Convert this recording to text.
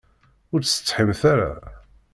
Ur tsetḥimt ara?